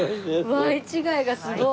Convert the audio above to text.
Ｙ違いがすごい。